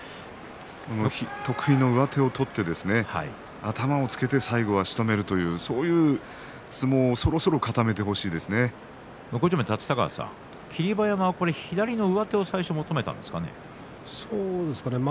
得意の上手を取ってですね頭をつけて最後はしとめるというそういう相撲をそろそろ立田川さん霧馬山は左の上手を求めたんですか？